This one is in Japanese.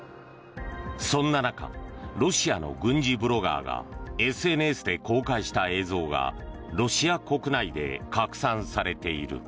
そんな中ロシアの軍事ブロガーがＳＮＳで公開した映像がロシア国内で拡散されている。